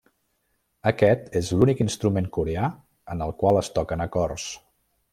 Aquest és l'únic instrument coreà en el qual es toquen acords.